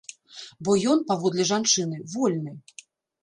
Бо ён, паводле жанчыны, вольны.